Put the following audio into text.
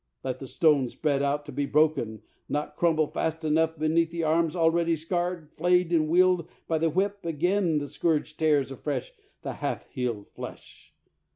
Let the stone spread out to be broken not crumble fast enough beneath the arms already scarred, flayed, and wealed by the whip, again the scourge tears afresh the half healed flesh